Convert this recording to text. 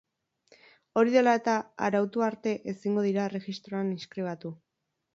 Hori dela eta, arautu arte ezingo dira erregistroan inskribatu.